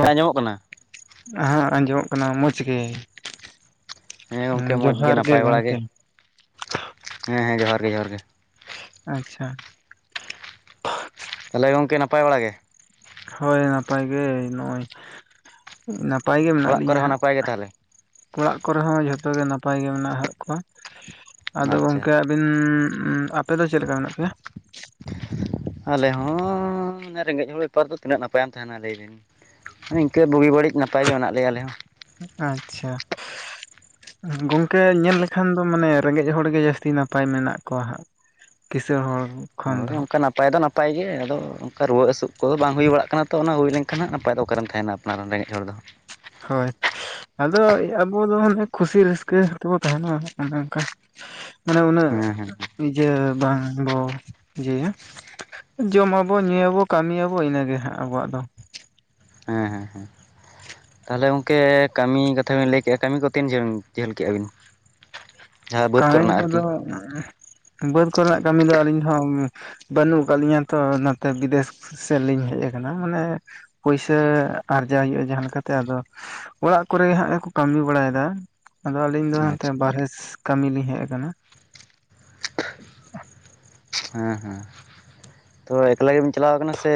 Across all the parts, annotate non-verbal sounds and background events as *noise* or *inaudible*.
*inaudible* ᱟᱸᱡᱚᱢᱚᱜ ᱠᱟᱱᱟ ᱟᱻ ᱦᱟᱜ ᱟᱸᱡᱚᱢᱚᱜ ᱠᱟᱱᱟ ᱢᱚᱡᱽ ᱜᱮ ᱜᱚᱝᱠᱮ ᱦᱮᱸ ᱢᱚᱡᱽ ᱡᱚᱦᱟᱨ ᱜᱮ ᱱᱟᱯᱟᱭ ᱵᱟᱲᱟ ᱜᱚᱢᱠᱮ ᱦᱮᱸ ᱦᱮᱸ ᱡᱚᱦᱟᱨ ᱜᱮ ᱡᱚᱦᱟᱨ ᱜᱮ ᱟᱪᱪᱷᱟ ᱛᱟᱞᱮ ᱜᱚᱝᱠᱮ ᱱᱟᱯᱟᱭ ᱵᱟᱲᱟ ᱜᱮ ᱦᱳᱭ ᱱᱟᱯᱟᱭ ᱜᱮ ᱱᱚᱜᱼᱚᱭ ᱱᱟᱯᱟᱭ ᱜᱮ ᱢᱮᱱᱟᱜ ᱚᱲᱟᱜ ᱠᱚᱨᱮ ᱞᱤᱧᱟᱹ ᱦᱚᱸ ᱦᱟᱸᱜ ᱱᱟᱯᱟᱭ ᱜᱮ ᱛᱟᱦᱚᱞᱮ ᱚᱲᱟᱜ ᱠᱚᱨᱮ ᱦᱚᱸ ᱡᱷᱚᱛᱚ ᱜᱮ ᱱᱟᱯᱟᱭ ᱜᱮ ᱢᱮᱱᱟᱜᱟᱜ ᱠᱚᱣᱟ ᱟᱫᱚ ᱟᱪᱪᱷᱟ ᱜᱚᱝᱠᱮ ᱩᱸᱻᱩᱸᱻ ᱟᱯᱮ ᱫᱚ ᱪᱮᱫ ᱞᱮᱠᱟ ᱢᱮᱱᱟᱜ ᱯᱮᱭᱟ ᱟᱞᱮ ᱦᱚᱸ ᱨᱮᱸᱜᱮᱡ ᱦᱚᱲ ᱵᱮᱯᱟᱨ ᱫᱚ ᱛᱤᱱᱟᱹᱜ ᱱᱟᱯᱟᱭᱮᱢ ᱛᱟᱦᱮᱱᱟ ᱞᱮᱹᱭ ᱵᱤᱱ ᱱᱤᱝᱠᱟᱹ ᱵᱩᱜᱤ ᱵᱟᱹᱲᱤᱡ ᱱᱟᱯᱟᱭ ᱜᱮ ᱢᱮᱱᱟᱜ ᱞᱮᱭᱟ ᱟᱞᱮ ᱦᱚᱸ ᱟᱪᱪᱷᱟ ᱜᱚᱝᱠᱮ ᱧᱮᱞ ᱞᱮᱠᱷᱟᱱ ᱫᱚ ᱢᱟᱱᱮ ᱨᱮᱸᱜᱮᱡ ᱦᱚᱲ ᱜᱮ ᱡᱟᱹᱥᱛᱤ ᱱᱟᱯᱟᱭ ᱢᱮᱱᱟᱜ ᱠᱚᱣᱟ ᱦᱟᱸᱜ ᱠᱤᱸᱥᱟᱹᱬ ᱦᱚᱲ ᱦᱚᱸ ᱦᱚᱸ ᱚᱱᱮ ᱚᱱᱠᱟᱱᱟᱜ ᱱᱟᱯᱟᱭ ᱫᱚ ᱱᱟᱯᱟᱭ ᱜᱮ ᱟᱫᱚ ᱚᱱᱠᱟ ᱨᱩᱣᱟᱹᱜ ᱦᱟᱹᱥᱩᱜ ᱠᱚ ᱵᱟᱝ ᱦᱩᱭ ᱵᱟᱲᱟ ᱠᱟᱱᱟ ᱛᱚ ᱚᱱᱟ ᱦᱩᱭ ᱞᱮᱱᱠᱷᱟᱱ ᱱᱟᱯᱟᱭ ᱫᱚ ᱚᱠᱟ ᱨᱮᱢ ᱛᱟᱦᱮᱱᱟ ᱚᱱᱟᱨᱮ ᱨᱮᱸᱜᱮᱡ ᱦᱚᱲ ᱫᱚ ᱦᱳᱭ ᱟᱫᱚ ᱟᱵᱚ ᱫᱚ ᱢᱟᱱᱮ ᱠᱷᱩᱥᱤ ᱨᱟᱹᱥᱠᱟᱹ ᱛᱮᱵᱚ ᱛᱟᱦᱮᱱᱟ ᱚᱱᱮ ᱚᱱᱠᱟ ᱢᱟᱱᱮ ᱩᱱᱟᱹᱜ ᱦᱮᱸ ᱦᱮᱸ ᱤᱭᱟ ᱵᱟᱝᱵᱚ ᱤᱭᱟᱭᱟ ᱡᱚᱢᱟᱵᱚ ᱧᱩᱭᱟᱵᱚ ᱠᱟᱹᱢᱤᱭᱟᱵᱚ ᱤᱱᱟᱹᱜᱮ ᱦᱟᱸᱜ ᱟᱵᱚᱣᱟᱜ ᱫᱚ ᱦᱮᱸ ᱦᱮᱸ ᱦᱮᱸ ᱛᱟᱦᱚᱞᱮ ᱜᱚᱝᱠᱮ ᱠᱟᱹᱢᱤ ᱠᱟᱛᱷᱟ ᱵᱤᱱ ᱞᱟᱹᱭ ᱠᱮᱜᱼᱟ ᱠᱟᱹᱢᱤ ᱠᱚ ᱛᱤᱱ ᱡᱟᱹᱢ ᱡᱷᱟᱹᱞ ᱠᱮᱜᱼᱟ ᱵᱤᱱ ᱡᱟᱦᱟᱸ ᱵᱟᱹᱫᱽ ᱠᱟᱹᱢᱤ ᱠᱚᱨᱮᱱᱟᱜ ᱠᱚᱫᱚ ᱟᱨᱠᱤ ᱵᱟᱹᱫᱽ ᱠᱚᱨᱮᱱᱟᱜ ᱠᱟᱹᱢᱤ ᱫᱚ ᱟᱹᱞᱤᱧ ᱦᱚᱸ ᱵᱟᱹᱱᱩᱜ ᱟᱠᱟᱫ ᱞᱤᱧᱟ ᱛᱚ ᱱᱚᱛᱮ ᱵᱤᱫᱮᱥ ᱥᱮᱫ ᱞᱤᱧ ᱦᱮᱡ ᱟᱠᱟᱱᱟ ᱢᱟᱱᱮ ᱯᱩᱭᱥᱟᱹ ᱟᱨᱡᱟᱣ ᱦᱩᱭᱩᱜᱼᱟ ᱡᱟᱦᱟᱸ ᱞᱮᱠᱟᱛᱮ ᱟᱫᱚ ᱚᱲᱟᱜ ᱠᱚᱨᱮᱜ ᱦᱟᱸᱜ ᱜᱮᱠᱚ ᱠᱟᱹᱢᱤ ᱵᱟᱲᱟᱭᱮᱫᱟ ᱟᱫᱚ ᱟᱹᱞᱤᱧ ᱫᱚ ᱦᱟᱱᱛᱮ ᱟᱪᱪᱷᱟ ᱵᱟᱨᱦᱮ ᱠᱟᱹᱢᱤ ᱞᱤᱧ ᱦᱮᱡ ᱟᱠᱟᱱᱟ ᱦᱮᱸ ᱦᱮᱸ ᱛᱚ ᱮᱠᱞᱟ ᱜᱤᱢ ᱪᱟᱞᱟᱣ ᱠᱟᱱᱟ ᱥᱮ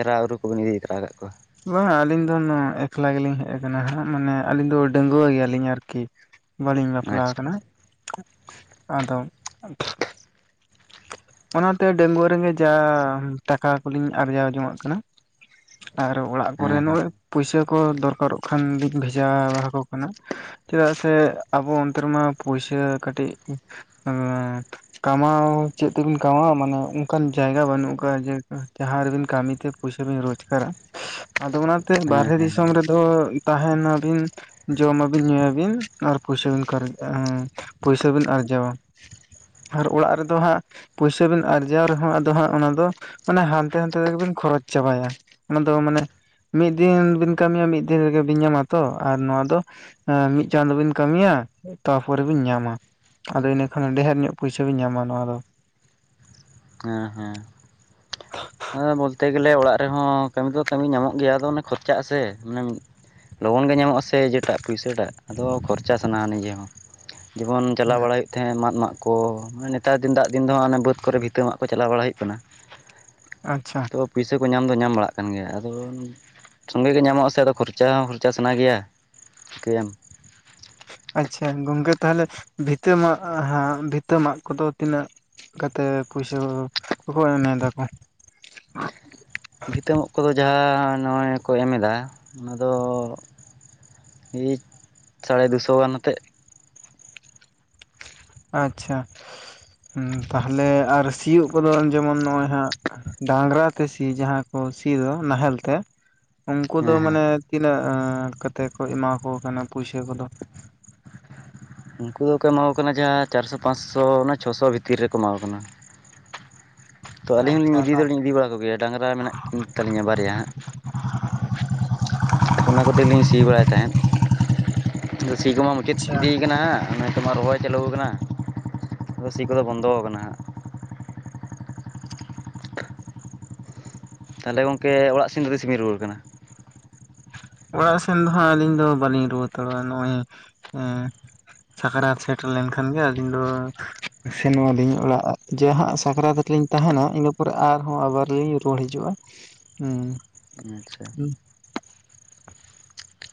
ᱮᱨᱟᱼᱩᱨᱩ ᱠᱚᱵᱮᱱ ᱤᱫᱤ ᱛᱟᱨᱟ ᱟᱠᱟᱫ ᱠᱚᱣᱟ ᱵᱟᱝ ᱟᱹᱞᱤᱧ ᱫᱚ ᱮᱠᱞᱟ ᱜᱮᱞᱤᱧ ᱦᱮᱡ ᱠᱟᱱᱟ ᱦᱟᱸᱜ ᱢᱟᱱᱮ ᱟᱹᱞᱤᱧ ᱫᱚ ᱰᱟᱺᱜᱩᱣᱟᱹ ᱜᱮᱭᱟᱞᱤᱧ ᱟᱨᱠᱤ ᱵᱟᱹᱞᱤᱧ ᱵᱟᱯᱞᱟ ᱟᱪᱪᱷᱟ ᱠᱟᱱᱟ ᱟᱪᱪᱷᱟ ᱟᱫᱚ ᱚᱱᱟᱛᱮ ᱰᱟᱺᱜᱩᱣᱟᱹ ᱨᱮᱸᱜᱮ ᱡᱟᱢ ᱴᱟᱠᱟ ᱠᱚᱞᱤᱧ ᱟᱨᱡᱟᱣ ᱡᱚᱝᱧᱟᱜ ᱠᱟᱱᱟ ᱟᱨ ᱚᱲᱟᱜ ᱠᱚᱨᱮ ᱦᱮᱸ ᱦᱮᱸ ᱱᱚᱜᱼᱚᱭ ᱯᱩᱭᱥᱟᱹ ᱠᱚ ᱫᱚᱨᱠᱟᱨᱚᱜ ᱠᱷᱟᱱ ᱞᱤᱧ ᱵᱷᱮᱡᱟ ᱟᱠᱚ ᱠᱟᱱᱟ ᱪᱮᱫᱟᱜ ᱥᱮ ᱟᱵᱚ ᱚᱱᱛᱮ ᱨᱮᱢᱟ ᱯᱚᱭᱥᱟᱹ ᱠᱟᱹᱴᱤᱡ *unintelligible* ᱠᱟᱢᱟᱣ ᱪᱮᱫ ᱛᱮᱵᱤᱱ ᱠᱟᱢᱣᱟ ᱢᱟᱱᱮ ᱚᱱᱠᱟᱱ ᱡᱟᱭᱜᱟ ᱵᱟᱹᱱᱩᱜ ᱟᱠᱟᱫᱟ ᱡᱮ ᱡᱟᱦᱟᱸ ᱨᱮᱵᱤᱱ ᱠᱟᱹᱢᱤᱛᱮ ᱯᱩᱭᱥᱟ ᱵᱤᱱ ᱨᱳᱡᱜᱟᱨᱟ ᱟᱫᱚ ᱚᱱᱟᱛᱮ ᱦᱮᱸ ᱵᱟᱨᱦᱮ ᱦᱮᱸ ᱫᱤᱥᱚᱢ ᱨᱮᱫᱚ ᱛᱟᱦᱮᱱᱟᱵᱤᱱ ᱡᱚᱢᱟᱵᱤᱱ ᱧᱩᱭᱟᱵᱤᱱ ᱟᱨ ᱯᱚᱭᱥᱟ ᱵᱤᱱ ᱠᱟᱨᱪᱟᱹᱼᱟᱜ ᱯᱚᱭᱥᱟ ᱵᱤᱱ ᱟᱨᱡᱟᱣᱟ ᱟᱨ ᱚᱲᱟᱜ ᱨᱮᱫᱚ ᱦᱟᱸᱜ ᱯᱩᱭᱥᱟ ᱵᱤᱱ ᱟᱨᱡᱟᱣ ᱨᱮᱦᱚᱸ ᱟᱫᱚ ᱦᱟᱸᱜ ᱚᱱᱟ ᱫᱚ ᱢᱟᱱᱮ ᱦᱟᱱᱛᱮ ᱱᱟᱱᱛᱮ ᱛᱮᱜᱮᱵᱤᱱ ᱠᱷᱚᱨᱚᱪ ᱪᱟᱵᱟᱭᱟ ᱚᱱᱟᱫᱚ ᱢᱟᱱᱮ ᱢᱤᱫ ᱫᱤᱱ ᱵᱤᱱ ᱠᱟᱹᱢᱤᱭᱟ ᱢᱤᱫ ᱫᱤᱱ ᱨᱮᱜᱮ ᱵᱤᱱ ᱧᱟᱢᱟ ᱛᱚ ᱟᱨ ᱱᱚᱣᱟ ᱫᱚ ᱢᱤᱫ ᱪᱟᱸᱫᱚ ᱵᱤᱱ ᱠᱟᱹᱢᱤᱭᱟ ᱛᱟᱯᱚᱨᱮ ᱵᱤᱱ ᱧᱟᱢᱟ ᱟᱫᱚ ᱤᱱᱟᱹ ᱠᱷᱟᱱ ᱰᱷᱮᱨ ᱧᱚᱜ ᱯᱚᱭᱥᱟᱹ ᱵᱤᱱ ᱧᱟᱢᱟ ᱱᱚᱣᱟ ᱫᱚ ᱦᱮᱸ ᱦᱮᱸ *unintelligible* ᱟ ᱵᱚᱞᱛᱮ ᱜᱮᱞᱮ ᱚᱲᱟᱜ ᱨᱮᱦᱚᱸ ᱠᱟᱹᱢᱤ ᱫᱚ ᱠᱟᱹᱢᱤ ᱧᱟᱢᱚᱜ ᱜᱮᱭᱟ ᱟᱫᱚ ᱚᱱᱮ ᱠᱷᱚᱨᱪᱟᱜᱼᱟ ᱥᱮ ᱞᱚᱜᱚᱱ ᱜᱮ ᱧᱟᱢᱚᱜᱼᱟ ᱥᱮ ᱡᱮᱴᱟᱜ ᱯᱩᱭᱥᱟᱹ ᱴᱟᱜ ᱟᱫᱚ ᱠᱷᱚᱨᱪᱟ ᱥᱟᱱᱟᱣᱟ ᱱᱤᱡᱮ ᱦᱚᱸ ᱡᱮᱢᱚᱱ ᱪᱟᱞᱟᱣ ᱦᱩᱸ ᱵᱟᱲᱟ ᱦᱩᱭᱩᱜ ᱛᱟᱦᱮᱸ ᱢᱟᱫ ᱢᱟᱜ ᱠᱚ ᱢᱟᱱᱮ ᱱᱮᱛᱟᱨ ᱫᱤᱱ ᱫᱟᱜ ᱫᱤᱱ ᱫᱚ ᱚᱱᱮ ᱵᱟᱹᱫᱽ ᱠᱚᱨᱮ ᱵᱷᱤᱛᱟᱹ ᱢᱟᱜ ᱠᱚ ᱪᱟᱞᱟᱣ ᱵᱟᱲᱟ ᱦᱩᱭᱩᱜ ᱠᱟᱱᱟ ᱟᱪᱪᱷᱟ ᱛᱚ ᱯᱩᱭᱥᱟᱹ ᱠᱚ ᱧᱟᱢ ᱫᱚ ᱧᱟᱢ ᱵᱟᱲᱟᱜ ᱠᱟᱱ ᱜᱮᱭᱟ ᱟᱫᱚ ᱥᱚᱸᱜᱮ ᱜᱮ ᱧᱟᱢᱚᱜ ᱟᱥᱮ ᱟᱫᱚ ᱠᱷᱚᱨᱪᱟ ᱦᱚᱸ ᱠᱷᱚᱨᱪᱟ ᱥᱟᱱᱟ ᱜᱮᱭᱟ ᱪᱤᱠᱟᱹᱭᱟᱢ ᱟᱪᱪᱷᱟ ᱜᱚᱝᱠᱮ ᱛᱟᱦᱚᱞᱮ ᱵᱷᱤᱛᱟᱹ ᱢᱟᱜ ᱦᱟᱸᱜ ᱵᱷᱤᱛᱟᱹ ᱢᱟᱜ ᱠᱚᱫᱚ ᱛᱤᱱᱟᱹᱜ ᱠᱟᱛᱮ ᱯᱩᱭᱥᱟᱹ ᱠᱚ ᱠᱚᱫᱚ ᱮᱢᱮᱫᱟᱠᱚ ᱵᱷᱤᱛᱟᱹ‌ ᱢᱟᱜ ᱠᱚᱫᱚ ᱡᱟᱦᱟᱸ ᱱᱚᱜᱼᱚᱭ ᱠᱚ ᱮᱢ ᱮᱫᱟ ᱚᱱᱟ ᱫᱚ ᱮᱭ ᱥᱟᱲᱮ ᱫᱩᱥᱚ ᱜᱟᱱ ᱟᱛᱮᱫ ᱟᱪᱪᱷᱟ ᱛᱟᱦᱞᱮ ᱟᱨ ᱥᱤᱭᱳᱜ ᱠᱚᱫᱚ ᱡᱮᱢᱚᱱ ᱱᱚᱜᱼᱚᱭ ᱦᱟᱸᱜ ᱰᱟᱺᱝᱨᱟ ᱛᱮ ᱥᱤ ᱡᱟᱦᱟᱸ ᱠᱚ ᱥᱤ ᱫᱚ ᱱᱟᱦᱮᱞ ᱛᱮ ᱩᱱᱠᱩ ᱫᱚ ᱦᱮᱸ ᱦᱮᱸ ᱢᱟᱱᱮ ᱛᱤᱱᱟᱹᱜ ᱠᱟᱛᱮᱫ ᱠᱚ ᱮᱢᱟᱠᱚ ᱠᱟᱱᱟ ᱯᱩᱭᱥᱟᱹ ᱠᱚᱫᱚ ᱩᱱᱠᱩ ᱫᱚ ᱠᱚ ᱮᱢᱟ ᱠᱚ ᱠᱟᱱᱟ ᱡᱟᱦᱟᱸ ᱪᱟᱨᱥᱚ ᱯᱟᱸᱪᱥᱚ ᱚᱱᱟ ᱪᱷᱚᱥᱚ ᱵᱷᱤᱛᱤᱨ ᱨᱮᱠᱚ ᱮᱢᱟ ᱠᱚ ᱠᱟᱱᱟ ᱛᱚ ᱟᱹᱞᱤᱧ ᱟᱪᱪᱷᱟ ᱦᱚᱸᱞᱤᱧ ᱤᱫᱤ ᱫᱚᱞᱤᱧ ᱤᱫᱤ ᱵᱟᱲᱟ ᱠᱚᱜᱮᱭᱟ ᱰᱟᱺᱝᱨᱟ ᱢᱮᱱᱟᱜ ᱠᱤᱱ ᱛᱟᱹᱞᱤᱧᱟ ᱵᱟᱨᱭᱟ ᱦᱟᱸᱜ ᱚᱱᱟ ᱠᱚᱛᱮ ᱞᱤᱧ ᱥᱤ ᱵᱟᱲᱟᱭ ᱛᱟᱦᱮᱸᱫ ᱥᱤ ᱠᱚᱢᱟ ᱢᱩᱪᱟᱹᱫ ᱟᱪᱪᱷᱟ ᱤᱫᱤᱭ ᱟᱠᱟᱱᱟ ᱦᱟᱸᱜ ᱱᱟᱛᱮᱢᱟ ᱨᱚᱦᱚᱭ ᱪᱟᱹᱞᱩ ᱟᱠᱟᱱᱟ ᱟᱫᱚ ᱥᱤ ᱠᱚᱫᱚ ᱵᱚᱱᱫᱚ ᱟᱠᱟᱱᱟ ᱦᱟᱸᱜ ᱛᱟᱦᱚᱞᱮ ᱜᱚᱝᱠᱮ ᱚᱲᱟᱜ ᱥᱤᱱ ᱫᱚ ᱛᱤᱥᱤᱢ ᱨᱩᱣᱟᱹᱲ ᱠᱟᱱᱟ ᱚᱲᱟᱜ ᱥᱮᱱ ᱫᱚ ᱦᱟᱸᱜ ᱟᱹᱞᱤᱧ ᱫᱚ ᱵᱟᱹᱞᱤᱧ ᱨᱩᱣᱟᱲᱹ ᱦᱟᱛᱟᱨᱚᱜᱼᱟ ᱱᱚᱜᱼᱚᱭ ᱮᱸ ᱥᱟᱠᱨᱟᱛ ᱥᱮᱴᱮᱨ ᱞᱮᱱᱠᱷᱟᱱ ᱜᱮ ᱟᱹᱞᱤᱧ ᱫᱚ ᱥᱮᱱᱚᱜ ᱟᱹᱞᱤᱧ ᱚᱲᱟᱜ ᱡᱟᱦᱟᱸᱜ ᱥᱟᱠᱨᱟᱛ ᱨᱮᱞᱤᱧ ᱛᱟᱦᱮᱱᱟ ᱤᱱᱟᱹ ᱯᱚᱨᱮ ᱟᱨᱦᱚᱸ ᱟᱵᱟᱨ ᱞᱤᱧ ᱨᱩᱣᱟᱹᱲ ᱦᱤᱡᱩᱜᱼᱟ ᱦᱩᱸ ᱟᱪᱪᱷᱟ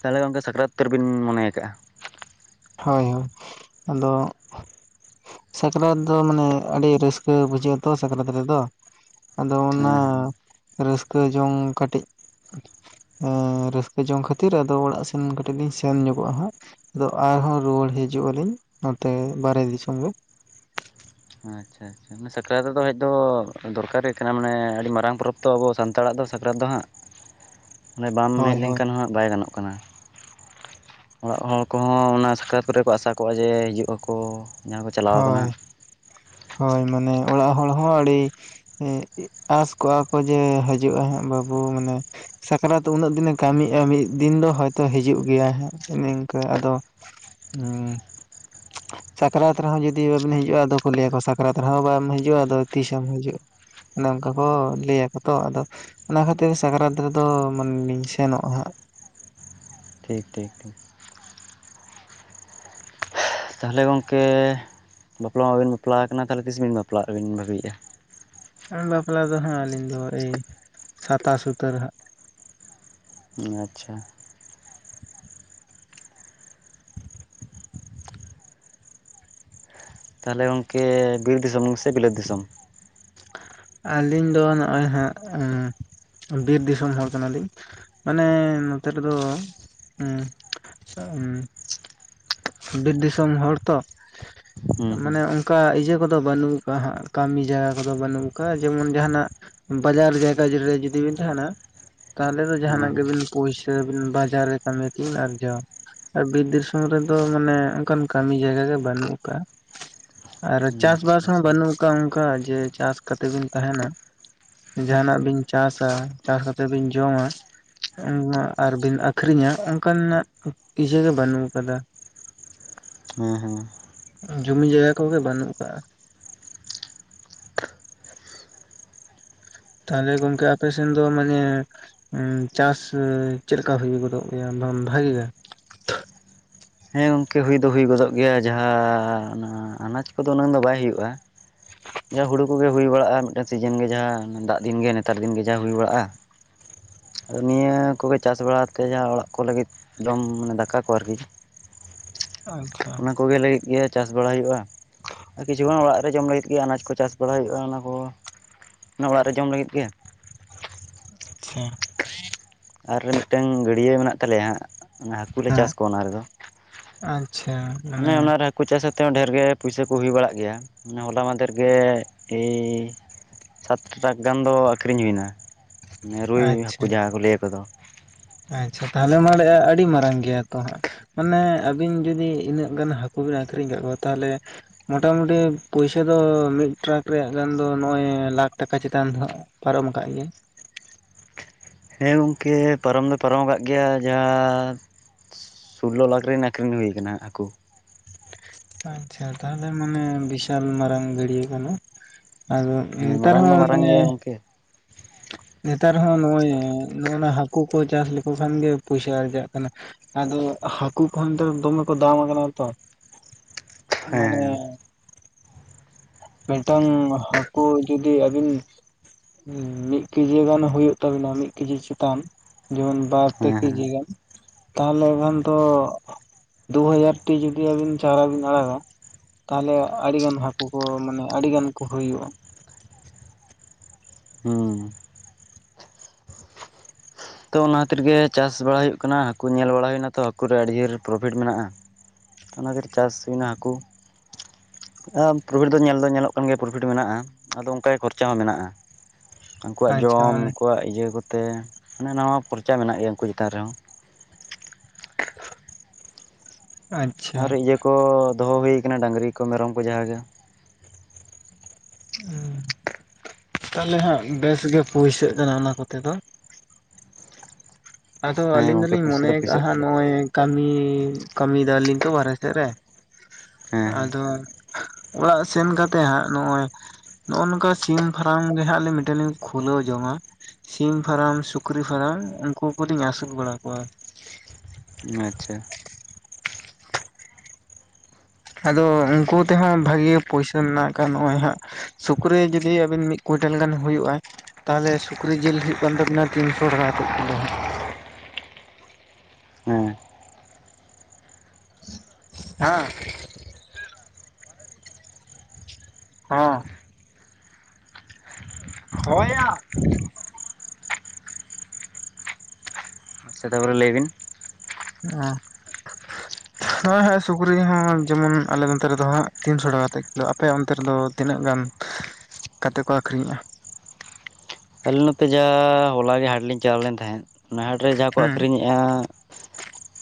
ᱛᱟᱦᱚᱞᱮ ᱜᱚᱝᱠᱮ ᱥᱟᱠᱨᱟᱛ ᱩᱛᱟᱹᱨ ᱵᱤᱱ ᱢᱚᱱᱮ ᱟᱠᱟᱟᱜᱼᱟ ᱦᱳᱭ ᱦᱳᱭ ᱟᱫᱚ ᱥᱟᱠᱨᱟᱛ ᱫᱚ ᱢᱟᱱᱮ ᱟᱹᱰᱤ ᱨᱟᱹᱥᱠᱟᱹ ᱵᱩᱡᱷᱟᱹᱜᱼᱟ ᱛᱚ ᱥᱟᱠᱨᱟᱛ ᱨᱮᱫᱚ ᱟᱫᱚ ᱚᱱᱟ ᱦᱮᱸ ᱦᱮᱸ ᱨᱟᱹᱥᱠᱟᱹ ᱡᱚᱝ ᱠᱟᱹᱴᱤᱡ ᱨᱟᱹᱥᱠᱟᱹ ᱡᱚᱝ ᱠᱷᱟᱹᱛᱤᱨ ᱟᱫᱚ ᱚᱲᱟᱜ ᱥᱮᱱ ᱠᱟᱹᱴᱤᱡ ᱞᱤᱧ ᱥᱮᱱ ᱧᱚᱜᱚᱜᱼᱟ ᱦᱟᱸᱜ ᱟᱫᱚ ᱟᱨᱦᱚᱸ ᱨᱩᱣᱟᱹᱲ ᱦᱤᱡᱩᱜ ᱟᱹᱞᱤᱧ ᱱᱚᱛᱮ ᱵᱟᱨᱦᱮ ᱫᱤᱥᱚᱢ ᱜᱮ ᱟᱪᱪᱷᱟ ᱥᱟᱠᱨᱟᱛ ᱫᱚ ᱦᱮᱡ ᱫᱚ ᱫᱚᱨᱠᱟᱨ ᱜᱮ ᱠᱟᱱᱟ ᱢᱟᱱᱮ ᱟᱹᱰᱤ ᱢᱟᱨᱟᱝ ᱯᱚᱨᱚᱵᱽ ᱛᱚ ᱟᱵᱚ ᱥᱟᱱᱛᱟᱲᱟᱜ ᱫᱚ ᱥᱟᱠᱨᱟᱛ ᱫᱚ ᱦᱟᱸᱜ *unintelligible* ᱢᱟᱱᱮ ᱵᱟᱢ ᱦᱮᱡ ᱦᱳᱭ ᱦᱳᱭ ᱞᱮᱱᱠᱷᱟᱱ ᱦᱟᱸᱜ ᱵᱟᱭ ᱜᱟᱱᱚᱜ ᱠᱟᱱᱟ ᱚᱲᱟᱜ ᱦᱚᱲ ᱠᱚᱦᱚᱸ ᱚᱱᱟ ᱥᱟᱠᱨᱟᱛ ᱠᱚᱨᱮ ᱠᱚ ᱟᱥᱟ ᱠᱚᱜᱼᱟ ᱡᱮ ᱦᱤᱡᱩᱜ ᱟᱠᱚ ᱡᱟᱦᱟᱸ ᱠᱚ ᱪᱟᱞᱟᱣ ᱦᱳᱭ ᱠᱟᱱᱟ ᱦᱟᱸᱜ ᱦᱳᱭ ᱢᱟᱱᱮ ᱚᱲᱟᱜ ᱦᱚᱲ ᱦᱚᱸ ᱟᱹᱰᱤ ᱟᱥ ᱠᱚᱜᱼᱟ ᱠᱚ ᱡᱮ ᱦᱤᱡᱩᱜᱼᱟᱭ ᱦᱟᱸᱜ ᱵᱟᱹᱵᱩ ᱢᱟᱱᱮ ᱥᱟᱠᱨᱟᱛ ᱩᱱᱟᱹᱜ ᱫᱤᱱᱮ ᱠᱟᱹᱢᱤᱜᱼᱟ ᱢᱤᱫ ᱫᱤᱱ ᱫᱚ ᱦᱚᱭᱛᱳ ᱦᱤᱡᱩᱜ ᱜᱮᱭᱟ ᱦᱟᱸᱜ ᱱᱤᱝᱠᱟᱹ ᱟᱫᱚ ᱦᱩᱸ ᱥᱟᱠᱨᱟᱛ ᱨᱮ ᱦᱚᱸ ᱡᱩᱫᱤ ᱵᱟᱵᱤᱱ ᱦᱤᱡᱩᱜᱼᱟ ᱟᱫᱚ ᱠᱚ ᱞᱟᱹᱭᱟ ᱠᱚ ᱥᱟᱠᱨᱟᱛ ᱨᱮᱦᱚᱸ ᱵᱟᱢ ᱦᱤᱡᱩᱜᱼᱟ ᱟᱫᱚ ᱛᱤᱥᱮᱢ ᱦᱤᱡᱩᱜᱼᱟ ᱚᱱᱮ ᱚᱱᱠᱟ ᱠᱚ ᱞᱟᱹᱭᱟ ᱠᱚ ᱛᱚ ᱟᱫᱚ ᱚᱱᱟ ᱠᱷᱟᱹᱛᱤᱨ ᱥᱟᱠᱨᱟᱛ ᱨᱮᱫᱚ ᱢᱟᱱᱮ ᱞᱤᱧ ᱥᱮᱱᱚᱜᱼᱟ ᱦᱟᱸᱜ ᱴᱷᱤᱠ ᱴᱷᱤᱠ ᱴᱷᱤᱠ ᱛᱟᱦᱚᱞᱮ ᱜᱚᱝᱠᱮ ᱵᱟᱯᱞᱟ ᱢᱟᱵᱤᱱ ᱵᱟᱯᱞᱟ ᱟᱠᱟᱱᱟ ᱛᱟᱦᱚᱞᱮ ᱛᱤᱥ ᱵᱤᱱ ᱵᱟᱯᱞᱟᱜ ᱟᱵᱤᱱ ᱵᱷᱟᱹᱵᱤᱭᱮᱫᱼᱟ ᱵᱟᱯᱞᱟ ᱫᱚ ᱦᱟᱸᱜ ᱟᱹᱞᱤᱧ ᱫᱚ ᱮᱭ ᱥᱟᱛᱟᱥ ᱩᱛᱟᱹᱨ ᱨᱮ ᱦᱟᱸᱜ ᱟᱪᱪᱷᱟ ᱛᱟᱦᱚᱞᱮ ᱜᱚᱢᱠᱮ ᱵᱤᱨ ᱫᱤᱥᱚᱢ ᱥᱮ ᱵᱤᱞᱟᱹᱛ ᱫᱤᱥᱚᱢ ᱟᱹᱞᱤᱧ ᱫᱚ ᱱᱚᱜᱼᱚᱭ ᱦᱟᱸᱜ ᱵᱤᱨ ᱫᱤᱥᱚᱢ ᱦᱚᱲ ᱠᱟᱱᱟ ᱞᱤᱧ ᱢᱟᱱᱮ ᱱᱚᱛᱮ ᱨᱮᱫᱚ *unintelligible* ᱦᱮᱸ ᱵᱤᱨ ᱫᱤᱥᱚᱢ ᱦᱚᱲ ᱛᱚ ᱦᱮᱸ ᱦᱮᱸ ᱢᱟᱱᱮ ᱚᱱᱠᱟ ᱤᱭᱟᱹ ᱠᱚᱫᱚ ᱵᱟᱹᱱᱩᱜ ᱟᱠᱟᱫᱟ ᱠᱟᱹᱢᱤ ᱡᱟᱭᱜᱟ ᱠᱚᱫᱚ ᱵᱟᱹᱱᱩᱜ ᱟᱠᱟᱫᱟᱼᱟ ᱡᱮᱢᱚᱱ ᱡᱟᱦᱟᱱᱟᱜ ᱵᱟᱡᱟᱨ ᱡᱟᱭᱜᱟ ᱨᱮ ᱡᱩᱫᱤ ᱵᱤᱱ ᱛᱟᱦᱮᱱᱟ ᱛᱟᱦᱚᱞᱮ ᱫᱚ ᱡᱟᱦᱟᱱᱟᱜ ᱦᱮᱸ ᱜᱮᱵᱤᱱ ᱯᱩᱭᱥᱟ ᱵᱤᱱ ᱵᱟᱡᱟᱨ ᱨᱮ ᱠᱟᱹᱢᱤ ᱛᱮᱵᱤᱱ ᱟᱨᱡᱟᱣᱟ ᱟᱨ ᱵᱤᱨ ᱫᱤᱥᱚᱢ ᱨᱮᱫᱚ ᱢᱟᱱᱮ ᱚᱱᱠᱟᱱ ᱠᱟᱹᱢᱤ ᱡᱟᱭᱜᱟ ᱜᱮ ᱵᱟᱹᱱᱩᱜ ᱟᱠᱟᱜᱼᱟ ᱟᱨ ᱦᱮᱸ ᱪᱟᱥ ᱟᱪᱪᱷᱟ ᱵᱟᱥ ᱦᱚᱸ ᱟᱪᱪᱷᱟ ᱵᱟᱹᱱᱩᱜ ᱟᱠᱟᱜᱼᱟ ᱚᱱᱠᱟ ᱡᱮ ᱪᱟᱥ ᱠᱟᱛᱮᱫ ᱵᱤᱱ ᱛᱟᱦᱮᱱᱟ ᱡᱟᱦᱱᱟᱜ ᱵᱤᱱ ᱪᱟᱥᱟ ᱪᱟᱥ ᱠᱟᱛᱮᱜ ᱵᱤᱱ ᱡᱚᱢᱟ ᱟᱨ ᱵᱤᱱ ᱟᱹᱠᱷᱨᱤᱧᱟ ᱚᱱᱠᱟ ᱱᱟᱜ ᱤᱭᱟᱹ ᱜᱮ ᱵᱟᱹᱱᱩᱜ ᱟᱠᱟᱫᱟ ᱦᱮᱸ ᱦᱮᱸ ᱡᱩᱢᱤ ᱡᱟᱭᱜᱟ ᱠᱚᱜᱮ ᱵᱟᱹᱱᱩᱜ ᱟᱠᱟᱜᱼᱟ ᱛᱟᱦᱚᱞᱮ ᱜᱚᱝᱠᱮ ᱟᱯᱮ ᱥᱮᱱ ᱫᱚ ᱢᱟᱱᱮ ᱩ ᱪᱟᱥ ᱪᱮᱫ ᱞᱮᱠᱟ ᱦᱩᱭ ᱜᱚᱫᱚᱜ ᱜᱮᱭᱟ *unintelligible* ᱵᱷᱟᱹᱜᱤ ᱜᱮ ᱦᱮᱸ ᱜᱚᱝᱠᱮ ᱦᱩᱭ ᱫᱚ ᱦᱩᱭ ᱜᱚᱫᱚᱜ ᱜᱮᱭᱟ ᱡᱟᱦᱟᱸ ᱚᱱᱟ ᱟᱱᱟᱡᱽ ᱠᱚᱫᱚ ᱩᱱᱟᱹᱝ ᱫᱚ ᱵᱟᱭ ᱦᱩᱭᱩᱜᱼᱟ ᱡᱟᱦᱟᱸ ᱦᱳᱲᱳ ᱠᱚᱜᱮ ᱦᱩᱭ ᱵᱟᱲᱟᱜᱼᱟ ᱢᱤᱫᱴᱮᱱ ᱥᱤᱡᱮᱱ ᱜᱮ ᱡᱟᱦᱟᱸ ᱫᱟᱜ ᱫᱤᱱ ᱜᱮ ᱱᱮᱛᱟᱨ ᱫᱤᱱ ᱜᱮ ᱡᱟᱦᱟᱸ ᱦᱩᱭ ᱵᱟᱲᱟᱜᱼᱟ ᱟᱨ ᱱᱤᱭᱟᱹ ᱠᱚᱜᱮ ᱪᱟᱥ ᱵᱟᱲᱟ ᱟᱛᱮ ᱡᱟᱦᱟᱸ ᱚᱲᱟᱜ ᱠᱚ ᱞᱟᱹᱜᱤᱫ ᱡᱚᱢ ᱢᱟᱱᱮ ᱫᱟᱠᱟ ᱠᱚ ᱟᱨᱠᱤ *inaudible* ᱚᱱᱟ ᱠᱚᱜᱮ ᱞᱟᱹᱭᱮᱫ ᱜᱮᱭᱟ ᱪᱟᱥ ᱵᱟᱲᱟᱭ ᱦᱩᱭᱩᱜᱼᱟ ᱟᱨ ᱠᱤᱪᱷᱩ ᱜᱟᱱ ᱚᱲᱟᱜ ᱨᱮ ᱡᱚᱢ ᱞᱟᱹᱜᱤᱫ ᱜᱮ ᱟᱱᱟᱡᱽ ᱠᱚ ᱪᱟᱥ ᱵᱟᱲᱟ ᱦᱩᱭᱩᱜᱼᱟ ᱚᱱᱟ ᱦᱚᱸ ᱚᱱᱟ ᱚᱲᱟᱜ ᱨᱮ ᱡᱚᱢ ᱞᱟᱹᱜᱤᱫ ᱜᱮ ᱟᱪᱪᱷᱟ ᱟᱨ ᱢᱤᱫᱴᱟᱹᱝ ᱜᱟᱹᱰᱭᱟᱹ ᱢᱮᱱᱟᱜ ᱛᱟᱞᱮᱭᱟ ᱦᱟᱹᱠᱩ ᱞᱮ ᱪᱟᱥ ᱦᱮᱸ ᱠᱚᱣᱟ ᱚᱱᱟ ᱨᱮᱫᱚ ᱟᱪᱪᱷᱟ ᱚᱱᱮ ᱢᱟᱱᱮ ᱚᱱᱟᱨᱮ ᱦᱟᱹᱠᱩ ᱪᱟᱥ ᱟᱛᱮᱫ ᱦᱚᱸ ᱰᱷᱮᱨ ᱜᱮ ᱯᱩᱭᱥᱟᱹ ᱠᱚ ᱦᱩᱭ ᱵᱟᱲᱟᱜ ᱜᱮᱭᱟ ᱦᱚᱞᱟ ᱢᱟᱫᱷᱮᱨ ᱜᱮ *unintelligible* ᱥᱟᱛ ᱴᱮᱨᱟᱠᱷ ᱜᱟᱱ ᱫᱚ ᱟᱹᱠᱷᱨᱤᱧ ᱦᱩᱭ ᱮᱱᱟ ᱢᱟᱱᱮ ᱨᱩᱭ ᱟᱪᱪᱷᱟ ᱦᱟᱹᱠᱩ ᱡᱟᱦᱟᱸ ᱠᱚ ᱞᱟᱹᱭ ᱟᱠᱚᱫᱚ ᱟᱪᱪᱷᱟ ᱛᱟᱦᱚᱞᱮ ᱢᱟᱱᱮ ᱟᱹᱰᱤ ᱢᱟᱨᱟᱝ ᱜᱮᱭᱟ ᱛᱚ ᱦᱟᱸᱜ ᱢᱟᱱᱮ ᱟᱹᱵᱤᱱ ᱡᱩᱫᱤ ᱤᱱᱟᱹᱜ ᱜᱟᱱ ᱦᱟᱹᱠᱩ ᱵᱤᱱ ᱟᱹᱠᱷᱨᱤᱧ ᱠᱟᱜ ᱠᱚᱣᱟ ᱛᱟᱦᱚᱞᱮ ᱢᱚᱴᱟ ᱢᱩᱴᱤ ᱯᱩᱭᱥᱟᱹ ᱫᱚ ᱢᱤᱫ ᱴᱨᱟᱠ ᱨᱮᱭᱟᱜ ᱜᱟᱱ ᱫᱚ ᱱᱚᱭ ᱞᱟᱠᱷ ᱴᱟᱠᱟ ᱪᱮᱛᱟᱱ ᱫᱚ ᱯᱟᱨᱚᱢ ᱟᱠᱟᱫ ᱜᱮᱭᱟᱭ ᱦᱮᱸ ᱜᱚᱢᱠᱮ ᱯᱟᱨᱚᱢ ᱫᱚ ᱯᱟᱨᱚᱢ ᱟᱠᱟᱫ ᱜᱮᱭᱟ ᱡᱟᱻ ᱥᱩᱞᱞᱳ ᱞᱟᱠᱷ ᱨᱮᱱ ᱟᱹᱠᱷᱨᱤᱧ ᱦᱩᱭ ᱟᱠᱟᱱᱟ ᱦᱟᱹᱠᱩ ᱟᱪᱪᱷᱟ ᱛᱟᱦᱞᱮ ᱢᱟᱱᱮ ᱵᱤᱥᱟᱞ ᱢᱟᱨᱟᱝ ᱜᱟᱹᱰᱭᱟᱹ ᱠᱟᱱᱟ ᱟᱫᱚ ᱦᱮᱸ ᱮᱱᱛᱮ ᱢᱟᱨᱟᱝ ᱫᱚ ᱨᱮᱦᱚᱸ ᱢᱟᱨᱟᱝ ᱢᱟᱱᱮ ᱜᱮᱭᱟ ᱜᱚᱢᱠᱮ ᱱᱮᱛᱟᱨ ᱦᱚᱸ ᱱᱚᱜᱼᱚᱭ ᱱᱚᱜᱼᱚ ᱱᱟ ᱦᱟᱹᱠᱩ ᱠᱚ ᱪᱟᱥ ᱞᱮᱠᱚ ᱠᱷᱟᱱ ᱜᱮ ᱯᱩᱭᱥᱟᱹ ᱟᱨᱡᱟᱜ ᱠᱟᱱᱟ ᱟᱫᱚ ᱦᱟᱹᱠᱩ ᱠᱚᱦᱚᱸ ᱱᱮᱛᱟᱨ ᱫᱚᱢᱮ ᱠᱚ ᱫᱟᱢ ᱟᱠᱟᱱᱟ ᱛᱚ ᱢᱟᱱᱮᱻ ᱦᱮᱸ ᱢᱤᱫᱴᱟᱹᱝ ᱦᱟᱹᱠᱩ ᱡᱩᱫᱤ ᱟᱹᱵᱤᱱ ᱢᱤᱫ ᱠᱮᱡᱤ ᱜᱟᱱ ᱦᱩᱭᱩᱜ ᱛᱟᱹᱵᱤᱱᱟ ᱢᱤᱫ ᱠᱮᱡᱤ ᱪᱮᱛᱟᱱ ᱡᱮᱢᱚᱱ ᱵᱟᱨ ᱯᱮ ᱦᱮᱸ ᱦᱮᱸ ᱠᱮᱡᱤ ᱜᱟᱱ ᱛᱟᱦᱚᱞᱮ ᱮᱠᱷᱟᱱ ᱛᱚ ᱫᱩ ᱦᱟᱡᱟᱨ ᱴᱤ ᱡᱩᱫᱤ ᱟᱹᱵᱤᱱ ᱪᱟᱨᱟ ᱵᱤᱱ ᱟᱲᱟᱜᱟ ᱛᱟᱦᱚᱞᱮ ᱟᱹᱰᱤ ᱜᱟᱱ ᱦᱟᱹᱠᱩ ᱠᱚ ᱢᱟᱱᱮ ᱟᱹᱰᱤ ᱜᱟᱱ ᱠᱚ ᱦᱩᱭᱩᱜᱼᱟ ᱦᱩᱸᱢ ᱛᱚ ᱚᱱᱟ ᱠᱷᱟᱹᱛᱤᱨᱜ ᱜᱮ ᱪᱟᱥ ᱵᱟᱲᱟ ᱚᱱᱟ ᱚᱱᱟ ᱠᱷᱟᱹᱛᱤᱨ ᱜᱮ ᱪᱟᱥ ᱵᱟᱲᱟ ᱦᱩᱭᱩᱜ ᱠᱟᱱᱟ ᱦᱟᱹᱠᱩ ᱧᱮᱞ ᱵᱟᱲᱟ ᱦᱩᱭ ᱮᱱᱟ ᱛᱚ ᱦᱟᱹᱠᱩ ᱨᱮ ᱟᱹᱰᱤ ᱡᱩᱨ ᱯᱨᱚᱯᱷᱤᱴ ᱢᱮᱱᱟᱜᱼᱟ ᱚᱱᱟᱛᱮ ᱪᱟᱥ ᱦᱩᱭ ᱮᱱᱟ ᱦᱟᱹᱠᱩ ᱟᱨ ᱯᱨᱚᱯᱷᱤᱴ ᱫᱚ ᱧᱮᱞ ᱫᱚ ᱧᱮᱞᱚᱜ ᱠᱟᱱ ᱜᱮᱭᱟ ᱯᱨᱚᱯᱷᱤᱴ ᱢᱮᱱᱟᱜᱼᱟ ᱟᱫᱚ ᱚᱱᱠᱟ ᱜᱮ ᱠᱷᱚᱨᱪᱟ ᱦᱚᱸ ᱢᱮᱱᱟᱜᱼᱟ *inaudible* ᱩᱱᱠᱩᱣᱟᱜ ᱟᱪᱪᱷᱟ ᱡᱚᱢ ᱢᱟᱱᱮ ᱩᱱᱠᱩᱣᱟᱜ ᱤᱭᱟᱹ ᱠᱚᱛᱮ ᱢᱟᱱᱮ ᱱᱟᱣᱟ ᱠᱷᱚᱨᱪᱟ ᱢᱮᱱᱟᱜ ᱜᱮᱭᱟ ᱩᱱᱠᱩ ᱪᱮᱛᱟᱱ ᱨᱮᱦᱚᱸ ᱟᱨ ᱟᱪᱪᱷᱟ ᱤᱭᱟᱹ ᱠᱚ ᱫᱚᱦᱚ ᱦᱩᱭᱠᱱᱟᱹ ᱰᱟᱹᱝᱨᱤ ᱠᱚ ᱢᱮᱨᱚᱢ ᱠᱚ ᱡᱟᱦᱟᱸᱜᱮ ᱛᱟᱦᱚᱞᱮ ᱦᱟᱸᱜ ᱵᱮᱥ ᱜᱮ ᱯᱩᱭᱥᱟᱹᱜ ᱠᱟᱱᱟ ᱚᱱᱟ ᱠᱚᱛᱮ ᱫᱚ ᱟᱫᱚ ᱦᱮᱸ ᱟᱹᱞᱤᱧ ᱜᱚᱝᱠᱮ ᱫᱚᱞᱤᱧ ᱯᱩᱭᱥᱟᱹ ᱢᱚᱱᱮᱭ ᱫᱚ ᱯᱩᱭᱥᱟᱹᱜ ᱠᱟᱱ ᱟᱠᱟᱫᱼᱟᱟᱸᱜ ᱜᱮᱭᱟ ᱱᱚᱜᱚᱭ ᱠᱟᱹᱢᱤ ᱠᱟᱹᱢᱤᱭ ᱫᱟᱞᱤᱧ ᱛᱚ ᱵᱟᱨᱦᱮ ᱥᱮᱫ ᱨᱮ ᱦᱮᱸ ᱟᱫᱚ ᱚᱲᱟᱜ ᱥᱮᱱ ᱠᱟᱛᱮᱜ ᱦᱟᱸᱜ ᱱᱚᱜᱼᱚᱭ ᱱᱚᱜᱼᱚᱭ ᱱᱚᱝᱠᱟ ᱥᱤᱢ ᱯᱷᱨᱟᱢ ᱜᱮ ᱦᱟᱸᱜ ᱞᱤᱧ ᱢᱤᱫᱴᱮᱱ ᱞᱤᱝ ᱠᱷᱩᱞᱟᱹᱣ ᱡᱚᱝᱟ ᱥᱤᱢ ᱯᱷᱟᱨᱟᱢ, ᱥᱩᱠᱨᱤ ᱯᱷᱟᱨᱟᱢ ᱩᱱᱠᱩ ᱠᱚᱞᱤᱧ ᱟᱹᱥᱩᱞ ᱵᱟᱲᱟ ᱠᱚᱣᱟᱹ ᱟᱪᱪᱷᱟ ᱟᱫᱚ ᱩᱱᱠᱩ ᱛᱮᱦᱚᱸ ᱵᱷᱟᱜᱮ ᱯᱩᱭᱥᱟ ᱢᱮᱱᱟᱜ ᱟᱠᱟᱜ ᱱᱚᱜᱼᱚᱭ ᱦᱟᱸᱜ ᱥᱩᱠᱨᱤ ᱡᱩᱫᱤ ᱟᱹᱵᱤᱱ ᱢᱤᱫ ᱠᱩᱭᱱᱴᱟᱞ ᱜᱟᱱ ᱦᱳᱭᱳᱜ ᱟᱭ ᱛᱟᱦᱚᱞᱮ ᱥᱩᱠᱨᱤ ᱡᱤᱞ ᱦᱩᱭᱩᱜ ᱠᱟᱱ ᱛᱟᱵᱤᱱᱟ ᱛᱤᱱᱥᱚ ᱴᱟᱠᱟ ᱠᱟᱛᱮᱫ ᱠᱤᱞᱳ ᱦᱟᱸᱜ ᱦᱮᱸ ᱦᱟᱸ ᱦᱚᱸ ᱦᱳᱭ ᱭᱟ ᱟᱪᱪᱷᱟ ᱛᱟᱯᱚᱨᱮ ᱞᱟᱹᱭ ᱵᱤᱱ? ᱚ ᱦᱚᱭ ᱦᱚᱭ ᱥᱩᱠᱨᱤ ᱦᱚᱸ ᱡᱮᱢᱚᱱ ᱟᱞᱮ ᱱᱚᱱᱛᱮ ᱨᱮᱫᱚ ᱦᱟᱸᱜ ᱛᱤᱱᱥᱚ ᱴᱟᱠᱟ ᱠᱟᱛᱮᱜ ᱠᱤᱞᱳ ᱟᱯᱮᱭᱟᱜ ᱚᱱᱛᱮ ᱨᱮᱫᱚ ᱛᱤᱱᱟᱹᱜ ᱜᱟᱱ? ᱠᱟᱛᱮ ᱠᱚ ᱟᱹᱠᱷᱨᱤᱧᱮᱜᱼᱟ ᱾ ᱟᱞᱮ ᱱᱚᱛᱮ ᱡᱟᱦᱟᱸᱻ ᱦᱚᱞᱮ ᱜᱮ ᱦᱟᱴ ᱞᱤᱧ ᱪᱟᱞᱟᱣ ᱞᱮᱱ ᱛᱟᱦᱮᱸᱜ ᱚᱱᱟ ᱦᱟᱴᱨᱮ ᱡᱟᱦᱟᱸ ᱠᱚ ᱦᱩᱸ ᱟᱹᱠᱷᱨᱤᱧᱮᱜᱼᱟ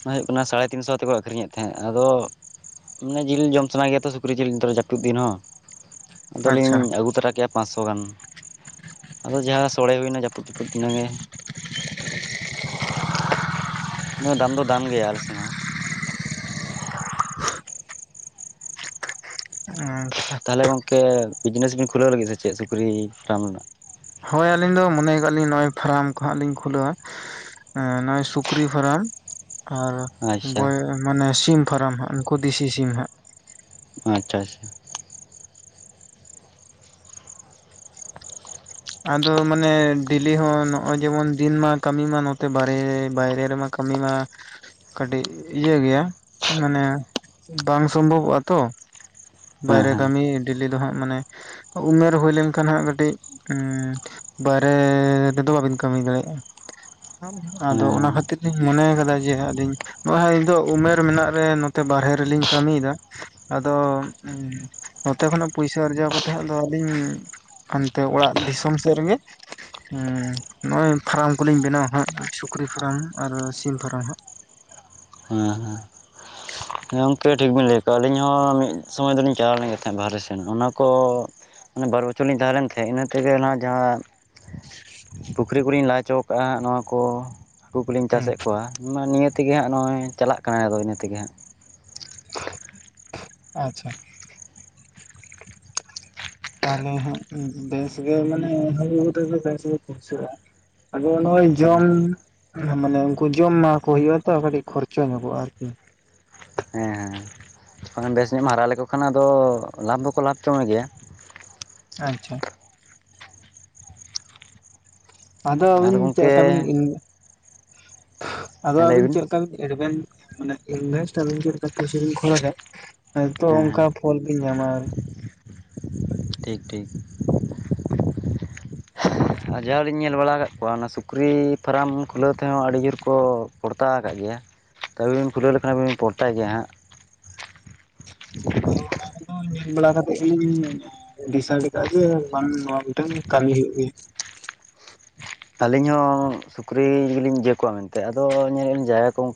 ᱚᱱᱟ ᱦᱳᱜ ᱠᱟᱱᱟ ᱥᱟᱲᱮ ᱛᱤᱱᱥᱚ ᱟᱛᱮᱠᱚ ᱟᱹᱠᱷᱨᱤᱧᱮᱫ ᱛᱟᱦᱮᱸᱜ ᱟᱫᱚ ᱢᱟᱱᱮ ᱡᱤᱞ ᱡᱚᱢ ᱥᱟᱱᱟ ᱜᱮᱭᱟᱛᱚ ᱥᱩᱠᱨᱤ ᱡᱤᱞ *unintelligible* ᱡᱟᱹᱯᱩᱫ ᱫᱤᱱ ᱦᱚᱸ ᱟᱫᱚᱞᱤᱧ ᱟᱪᱪᱷᱟ ᱟᱹᱜᱩ ᱛᱟᱨᱟ ᱠᱮᱜᱼᱟ ᱯᱟᱸᱥᱚ ᱜᱟᱱ ᱟᱫᱚ ᱡᱟᱦᱟᱸ ᱥᱳᱲᱮ ᱦᱳᱭᱱᱟ ᱡᱟᱹᱯᱩᱫ, ᱡᱟᱹᱯᱩᱫ ᱤᱱᱟᱹᱜᱮ *unintelligible* ᱫᱟᱢ ᱫᱚ ᱫᱟᱢ ᱜᱮᱭᱟ ᱟᱞᱮ ᱥᱮᱱ ᱦᱚᱸ ᱟᱪᱪᱷᱟ ᱛᱟᱦᱟᱞᱮ ᱜᱚᱝᱠᱮ ᱵᱤᱡᱽᱱᱮᱥ ᱵᱤᱱ ᱠᱷᱩᱞᱟᱹᱣ ᱞᱟᱹᱜᱤᱫ ᱥᱮ ᱪᱮᱜ ᱥᱩᱠᱨᱤ ᱯᱷᱟᱨᱟᱢ ᱨᱮᱱᱟᱜ? ᱦᱚᱭ ᱟᱹᱞᱤᱧ ᱫᱚ ᱢᱚᱱᱮᱭ ᱠᱟᱜ ᱞᱤᱝ ᱱᱚᱜᱼᱚᱭ ᱯᱷᱟᱨᱟᱢ ᱠᱚᱦᱟᱸᱜ ᱞᱤᱧ ᱠᱷᱩᱞᱟᱹᱣᱟ ᱚ ᱱᱚᱭ ᱥᱩᱠᱨᱤ ᱯᱷᱟᱨᱚᱢ ᱟᱨ ᱟᱪᱪᱷᱟ ᱵᱚᱭ ᱢᱟᱱᱮ ᱥᱤᱢ ᱯᱷᱟᱨᱟᱢ ᱦᱟᱸᱜ ᱩᱱᱠᱩ ᱫᱮᱥᱤ ᱥᱤᱢ ᱦᱟᱸᱜ ᱟᱪᱪᱷᱟ ᱟᱪᱪᱷᱟ ᱟᱫᱚ ᱢᱟᱱᱮ ᱰᱮᱞᱤ ᱦᱚᱸ ᱱᱚᱜᱼᱚᱭ ᱡᱮᱢᱚᱱ ᱫᱤᱱ ᱢᱟ ᱠᱟᱹᱢᱤ ᱢᱟ ᱱᱚᱛᱮ ᱵᱟᱨᱮ ᱵᱟᱭᱨᱮ ᱨᱮᱢᱟ ᱠᱟᱹᱢᱤ ᱢᱟᱹ ᱠᱟᱹᱴᱤᱜ ᱤᱭᱟᱹ ᱜᱮᱭᱟ ᱢᱟᱱᱮ ᱵᱟᱝ ᱥᱚᱢᱵᱷᱚᱵᱚᱜᱼᱟ ᱛᱚ ᱦᱮᱸ ᱵᱟᱭᱨᱮ ᱦᱮᱸ ᱠᱟᱹᱢᱤ ᱰᱮᱞᱤ ᱫᱚ ᱦᱟᱸᱜ ᱢᱟᱱᱮ ᱩᱢᱮᱨ ᱦᱳᱭ ᱞᱮᱱᱠᱷᱟᱱ ᱦᱟᱜ ᱠᱟᱹᱴᱤᱡ ᱩᱸ ᱵᱟᱭᱨᱮ ᱨᱮᱫᱚ ᱵᱟᱵᱤᱱ ᱠᱟᱹᱢᱤ ᱫᱟᱲᱮᱭᱟᱜᱼᱟ *inaudible* ᱦᱮᱸ ᱟᱫᱚ ᱚᱱᱟ ᱠᱷᱟᱹᱛᱤᱨ ᱞᱤᱧ ᱢᱚᱱᱮ ᱠᱟᱫᱟ ᱡᱮ ᱟᱹᱞᱤᱧ ᱱᱚᱜ ᱚᱭ ᱦᱟ ᱦᱤᱛᱳᱜ ᱩᱢᱮᱨ ᱢᱮᱱᱟᱜ ᱨᱮ ᱱᱚᱛᱮ ᱵᱟᱨᱦᱮ ᱨᱮᱞᱤᱧ ᱠᱟᱹᱢᱤᱭᱫᱟ ᱟᱫᱚ ᱦᱩᱸ ᱱᱚᱛᱮ ᱠᱷᱚᱱᱟᱜ ᱯᱩᱭᱥᱟᱹ ᱟᱨᱡᱟᱣ ᱠᱟᱛᱮ ᱦᱟᱜ ᱫᱚ ᱟᱹᱞᱤᱧ ᱦᱟᱱᱛᱮ ᱚᱲᱟᱜ ᱫᱤᱥᱚᱢ ᱥᱮᱜ ᱨᱮᱜᱮ ᱱᱚᱜ ᱚᱭ ᱯᱷᱟᱨᱟᱢ ᱠᱚᱞᱤᱧ ᱵᱮᱱᱟᱣᱟ ᱦᱟᱸᱜ ᱥᱩᱠᱨᱤ ᱯᱷᱟᱨᱟᱢ ᱟᱨ ᱥᱤᱢ ᱯᱷᱟᱨᱟᱢ ᱦᱟᱸᱜ ᱦᱟᱸ ᱦᱟᱸ ᱦᱮᱸ ᱜᱚᱝᱠᱮ ᱴᱷᱤᱠᱵᱤᱱ ᱞᱟᱹᱭ ᱟᱠᱣᱟ ᱟᱹᱞᱤᱧ ᱦᱚᱸ ᱢᱤᱫ ᱥᱚᱢᱚᱭ ᱫᱚᱞᱤᱧ ᱪᱟᱞᱟᱣ ᱞᱮᱱ ᱛᱟᱦᱮᱸᱜ ᱵᱟᱨᱦᱮ ᱥᱮᱱ ᱚᱱᱟᱠᱚ ᱢᱟᱥᱮ ᱵᱟᱨ ᱵᱚᱪᱷᱚᱨ ᱞᱤᱧ ᱛᱟᱦᱮᱸ ᱞᱮᱱ ᱛᱟᱦᱮᱸᱫ ᱤᱱᱟᱹ ᱛᱮᱜᱮ ᱚᱱᱟ ᱡᱟᱦᱟᱸ *inaudible* *unintelligible* ᱠᱚᱞᱤᱧ ᱞᱟ ᱚᱪᱚ ᱟᱠᱟᱜᱼᱟ ᱱᱚᱣᱟᱠᱚ ᱦᱟᱹᱠᱩᱠᱞᱤᱧ ᱦᱮᱸ ᱪᱟᱥᱮᱜ ᱠᱚᱣᱟ ᱾ ᱢᱟ ᱱᱤᱭᱟᱹ ᱛᱮᱜᱮ ᱦᱟᱸᱜ ᱱᱚᱜᱼᱚᱭ ᱪᱟᱞᱟᱜ ᱠᱟᱱᱟ ᱟᱫᱚ ᱤᱱᱟᱹ ᱛᱮᱜᱮ ᱦᱟᱸᱜ ᱟᱪᱪᱷᱟ ᱛᱟᱦᱟᱞᱮ ᱦᱟᱜ ᱵᱮᱥ ᱜᱮ ᱢᱟᱱᱮ *unintelligible* ᱵᱩᱭᱥᱟᱹᱜᱼᱟ ᱟᱫᱚ ᱱᱚᱜᱼᱚᱭ ᱦᱮᱸ ᱡᱚᱢ ᱦᱮᱸ ᱢᱟᱱᱮ ᱩᱱᱠᱩ ᱡᱚᱢ ᱮᱢᱟ ᱠᱚ ᱦᱩᱭᱩᱜᱼᱟ ᱛᱚ ᱠᱟᱹᱴᱤᱡ ᱠᱷᱚᱨᱪᱟ ᱧᱚᱜᱚᱜᱼᱟ ᱟᱨᱠᱤ ᱦᱮᱸ ᱦᱮᱸ *unintelligible* ᱵᱮᱥ ᱧᱚᱜ ᱮᱢ ᱦᱟᱨᱟ ᱞᱮᱠᱚ ᱠᱷᱟᱱ ᱟᱫᱚ ᱞᱟᱵᱷ ᱫᱚᱠᱚ ᱞᱟᱵᱷ ᱪᱚ ᱢᱮᱜᱮᱭᱟ ᱾ ᱟᱪᱪᱷᱟ ᱟᱫᱚ ᱟᱨ ᱟᱹᱵᱤᱱ ᱪᱮᱜ ᱜᱚᱢᱠᱮ ᱞᱮᱠᱟᱵᱤᱱ *unintelligible* ᱟᱫᱚ ᱦᱮᱸ ᱞᱟᱹᱭ ᱟᱹᱵᱤᱱ ᱪᱮᱜ ᱞᱮᱠᱟ ᱵᱤᱱ ᱮᱰᱵᱮᱱ ᱢᱟᱱᱮ ᱤᱱᱵᱷᱮᱥᱴ ᱟᱵᱤᱱ ᱪᱮᱫ ᱞᱮᱠᱟ ᱯᱚᱭᱥᱟ ᱵᱤᱱ ᱠᱷᱚᱨᱪᱟ ᱠᱷᱟᱡ ᱛᱚ ᱦᱮᱸ ᱦᱮᱸ ᱚᱱᱠᱟ ᱯᱷᱚᱞ ᱵᱤᱱ ᱧᱟᱢᱟ ᱴᱷᱤᱠ ᱴᱷᱤᱠ ᱟᱨ ᱡᱟᱦᱟᱸᱞᱤᱧ ᱧᱮᱞ ᱵᱟᱲᱟ ᱟᱠᱟᱫ ᱠᱚᱣᱟ ᱚᱱᱟ ᱥᱩᱠᱨᱤ ᱯᱷᱟᱨᱟᱢ ᱠᱷᱩᱞᱟᱹᱣ ᱛᱮᱦᱚᱸ ᱟᱹᱰᱤ ᱡᱳᱨ ᱠᱚ ᱯᱚᱲᱛᱟ ᱟᱠᱟᱫ ᱜᱮᱭᱟ ᱠᱟᱹᱢᱤ ᱵᱤᱱ ᱠᱷᱩᱞᱟᱹᱣ ᱞᱮᱠᱷᱟᱱ ᱵᱤᱱ ᱯᱚᱲᱛᱟᱭ ᱜᱮᱭᱟ ᱦᱟᱸᱜ *unintelligible* ᱧᱮᱞ ᱵᱟᱲᱟ ᱠᱟᱛᱮᱫ ᱜᱮᱞᱤᱧ ᱰᱤᱥᱟᱭᱤᱰ ᱟᱠᱟᱜ ᱡᱮ ᱵᱟᱝ ᱱᱚᱣᱟ ᱢᱤᱫᱴᱮᱱ ᱠᱟᱹᱢᱤ ᱦᱩᱭᱩᱜ ᱜᱮ *inaudible* ᱟᱹᱞᱤᱧ ᱦᱚᱸ ᱥᱩᱠᱨᱤ ᱜᱮᱞᱤᱧ ᱤᱭᱟᱹ ᱠᱚᱣᱟ ᱢᱮᱱᱛᱮ ᱟᱫᱚ ᱧᱮᱞᱮᱫ ᱡᱟᱭᱜᱟ ᱠᱚ